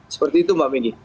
seperti itu mbak maggie